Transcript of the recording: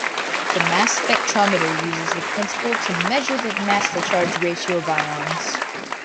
The mass spectrometer uses this principle to measure the mass-to-charge ratio of ions.